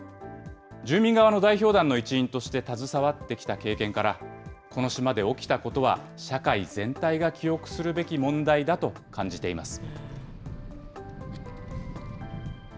住民側の代表団の一員として携わってきた経験から、この島で起きたことは、社会全体が記憶するべき問題だと感じています。